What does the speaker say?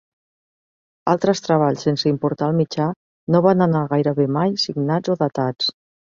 Altres treballs, sense importar el mitjà, no van anar gairebé mai signats o datats.